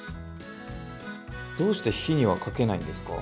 どうして火にはかけないんですか？